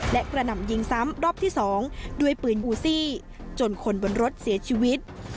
และกระหน่ำยิงซ้ำรอบที่๒ด้วยปืนบูซี่จนคนบนรถเสียชีวิต